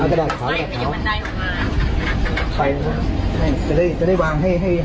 มีไฟมีไฟมีไฟสอง